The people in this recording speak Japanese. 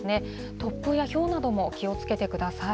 突風やひょうなども気をつけてください。